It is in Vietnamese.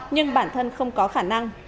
nhưng bản thân không có khả năng